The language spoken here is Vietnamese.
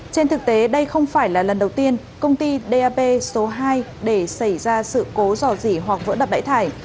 trên thực tế đây không phải là lần đầu tiên công ty dap số hai để xảy ra sự cố dò dỉ hoặc vỡ đập bãi thải